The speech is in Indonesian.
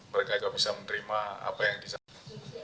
mereka juga bisa menerima apa yang disampaikan